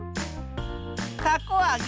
たこあげ。